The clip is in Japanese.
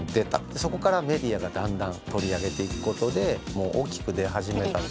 そこからメディアがだんだん取り上げていくことでもう大きく出始めた。